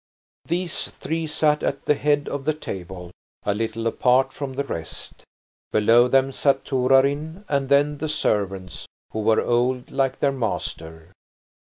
These three sat at the head of the table, a little apart from the rest. Below them sat Torarin, and then the servants, who were old like their master.